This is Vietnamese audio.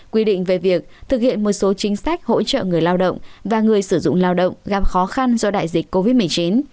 quy định về việc thực hiện một số chính sách hỗ trợ người lao động và người sử dụng lao động gặp khó khăn do đại dịch covid một mươi chín